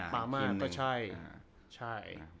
ปามาก็ใช่